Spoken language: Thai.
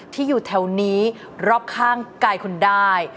ที่อยู่แถวนี้รอบข้างกายคุณได้